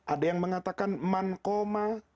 ada yang mengatakan manqoma